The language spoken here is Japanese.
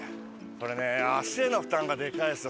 これね足への負担がでかいんですよ